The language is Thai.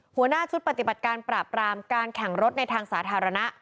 หัวหน้าชุดปฏิบัติการปราบรามการแข่งรถในทางสาธารณะ